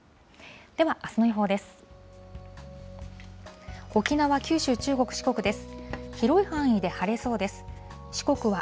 では、あすの予報です。